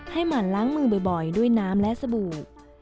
หมั่นล้างมือบ่อยด้วยน้ำและสบู่